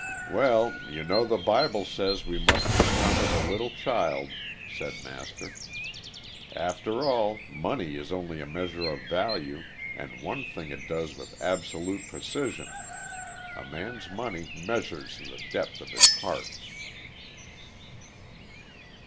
"Well, you know the Bible says we must become as a little child," said Master. "After all, money is only a measure of value, and one thing it does with absolute precision a man's money measures the depth of his heart."